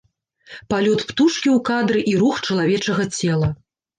Палёт птушкі ў кадры і рух чалавечага цела.